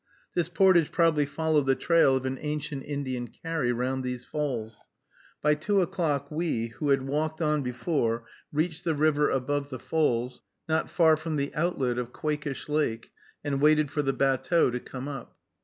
This portage probably followed the trail of an ancient Indian carry round these falls. By two o'clock we, who had walked on before, reached the river above the falls, not far from the outlet of Quakish Lake, and waited for the batteau to come up.